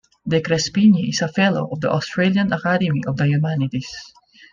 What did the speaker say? De Crespigny is a Fellow of the Australian Academy of the Humanities.